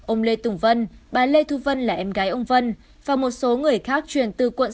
ông lê tùng vân bà lê thu vân là em gái ông vân và một số người khác chuyển từ quận sáu